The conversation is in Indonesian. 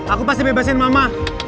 aku pasti bebasin mama